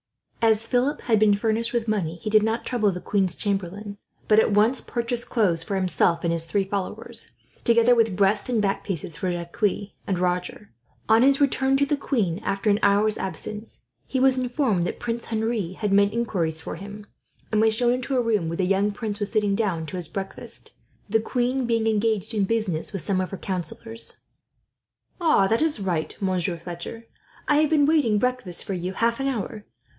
As Philip had been furnished with money, he did not trouble the queen's chamberlain, but at once purchased clothes for himself and his three followers, together with breast and back piece for Jacques and Roger. On his return to the queen, after an hour's absence, he was informed that Prince Henri had made inquiries for him, and was shown into a room where the young prince was sitting down to his breakfast, the queen being engaged in business with some of her councillors. "That is right, Monsieur Fletcher. I have been waiting breakfast for you, for half an hour.